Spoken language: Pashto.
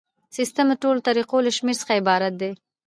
سیسټم د تړلو طریقو له شمیر څخه عبارت دی.